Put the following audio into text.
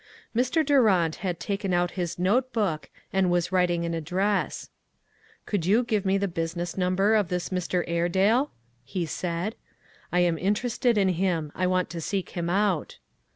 Mr. Durant had taken out his note book, and was writing an address. " Could you give me the business num ber of this Mr. Airedale ?" he said. " I am interested in him. I want to seek him out."